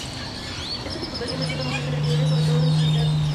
Esta diputación presenta bastante relieve, sobre todo en su mitad sur.